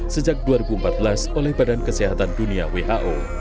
sejak dua ribu empat belas oleh badan kesehatan dunia who